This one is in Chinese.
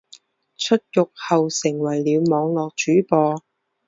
出狱后成为了网络主播。